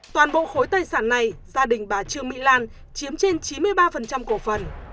toàn bộ khối tài sản này gia đình bà trương mỹ lan chiếm trên chín mươi ba cổ phần